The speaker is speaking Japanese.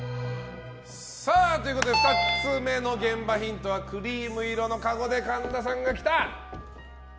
２つ目の現場ヒントはクリーム色のかごで神田さんが来た！